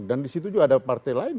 dan di situ juga ada partai lain